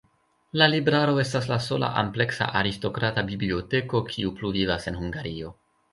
La libraro estas la sola ampleksa aristokrata biblioteko, kiu pluvivas en Hungario.